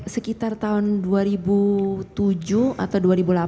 sekitar tahun dua ribu tujuh atau dua ribu delapan